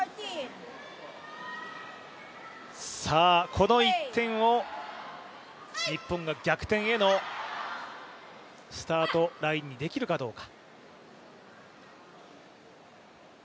この１点を日本が逆転へのスタートラインにできるかどうか。